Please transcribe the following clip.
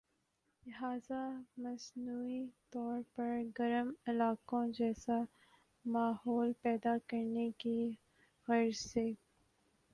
لہذا مصنوعی طور پر گرم علاقوں جیسا ماحول پیدا کرنے کی غرض سے